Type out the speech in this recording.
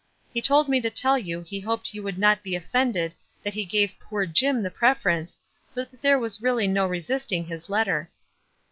He told me to tell you he hoped you would not be offended that he gave poor Jim the preference, but that there was really no resisting his letter."